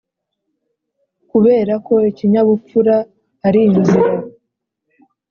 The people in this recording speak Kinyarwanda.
kuberako ikinyabupfura arinzira.